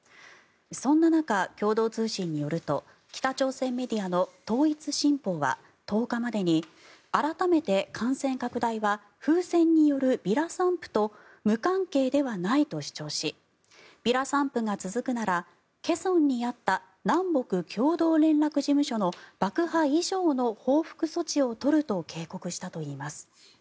そんな中、共同通信によると北朝鮮メディアの統一新報は１０日までに改めて感染拡大は風船によるビラ散布と無関係ではないと主張しビラ散布が続くなら開城にあった南北共同連絡事務所の爆破以上の報復措置を取ると警告したといいます。